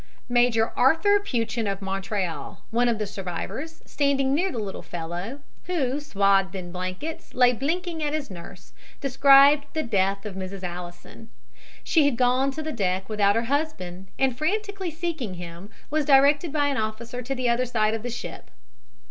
Major Arthur Peuchen, of Montreal, one of the survivors, standing near the little fellow, who, swathed in blankets, lay blinking at his nurse, described the death of Mrs. Allison. She had gone to the deck without her husband, and, frantically seeking him, was directed by an officer to the other side of the ship.